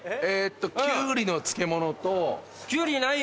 きゅうりの漬物と。